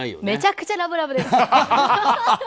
めちゃくちゃラブラブです。